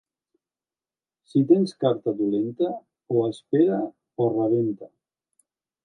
Si tens carta dolenta, o espera o rebenta.